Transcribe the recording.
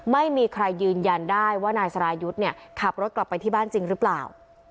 ไม่มีใครยืนยันได้ว่านายสรายุทธ์เนี่ยขับรถกลับไปที่บ้านจริงหรือเปล่า